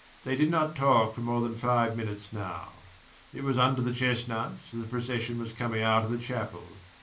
They did not talk for more than five minutes now: it was under the chestnuts, as the procession was coming out of the chapel.